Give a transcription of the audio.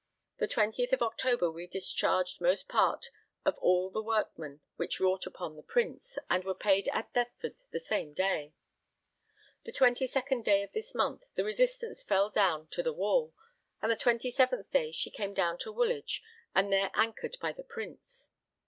The 20th of October were discharged most part of all the workmen which wrought upon the Prince, and were paid at Deptford [the] same day. The 22nd day of this month, the Resistance fell down to the wall, and the 27th day she came down to Woolwich, and there anchored by the Prince.